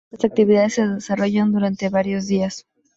Las actividades se desarrollan durante varios días.